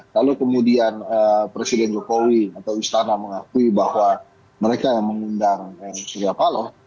kalau kemudian presiden jokowi atau istana mengakui bahwa mereka yang mengundang surya paloh